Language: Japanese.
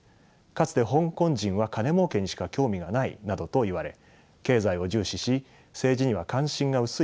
かつて香港人は金儲けにしか興味がないなどといわれ経済を重視し政治には関心が薄いといわれてきました。